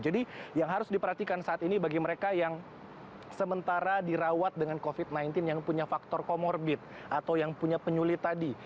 jadi yang harus diperhatikan saat ini bagi mereka yang sementara dirawat dengan covid sembilan belas yang punya faktor comorbid atau yang punya penyulit tadi